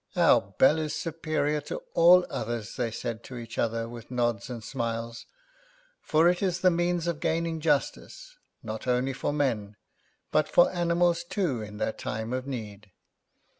"Our bell is superior to all others," they said to each other, with nods and smiles, "for it is the means of gaining justice, not only for men, but for animals too in their time of need."